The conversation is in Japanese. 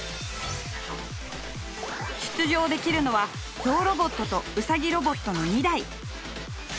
出場できるのはゾウロボットとウサギロボットの２台。